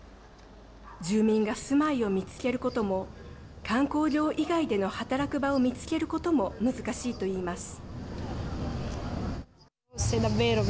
住民が住まいを見つけることも観光業以外での働く場を見つけることも難しいといいます。